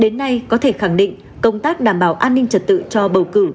đến nay có thể khẳng định công tác đảm bảo an ninh trật tự cho bầu cử